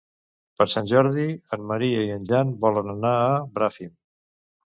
Per Sant Jordi en Maria i en Jan volen anar a Bràfim.